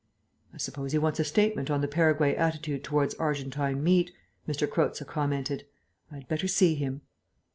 "I suppose he wants a statement on the Paraguay attitude towards Argentine meat," M. Croza commented. "I had better see him."